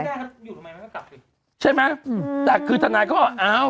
อยู่ทำไมมันก็กลับไปใช่ไหมอืมแต่คือทนายเขาก็อ้าว